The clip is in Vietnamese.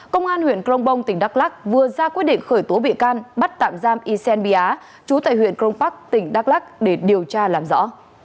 công an tp vĩnh yên đã ra quyết định khởi tố bị can bắt tạm giam ysen bia chú tại huyện krongpak tỉnh đắk lắc để điều tra làm rõ